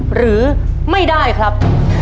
หรือไม่ได้ครับ